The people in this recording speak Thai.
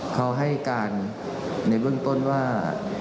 เขาให้การในเบื้องต้นว่า